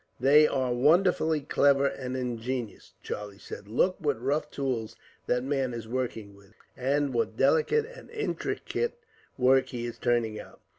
"They are wonderfully clever and ingenious," Charlie said. "Look what rough tools that man is working with, and what delicate and intricate work he is turning out.